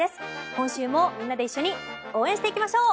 今週もみんなで一緒に応援していきましょう。